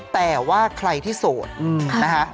แต่ว่าใครที่โสดนะฮะ